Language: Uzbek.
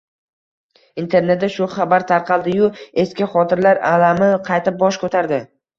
Internetda shu xabar tarqaldi-yu, eski xotiralar alami qayta bosh ko`tardi